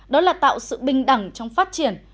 đó là tạo sự bình đẳng trong phát triển